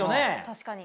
確かに。